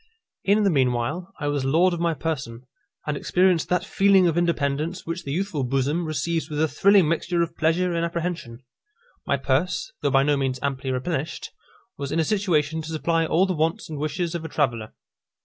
In the meanwhile, I was lord of my person, and experienced that feeling of independence which the youthful bosom receives with a thrilling mixture of pleasure and apprehension. My purse, though by no means amply replenished, was in a situation to supply all the wants and wishes of a traveller.